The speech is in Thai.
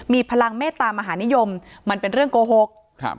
มีพลังเมตตามหานิยมมันเป็นเรื่องโกหกครับ